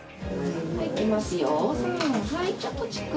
いきますよ。